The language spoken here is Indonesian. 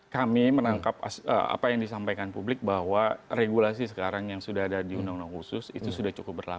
kami menangkap apa yang disampaikan publik bahwa regulasi sekarang yang sudah ada di undang undang khusus itu sudah cukup berlaku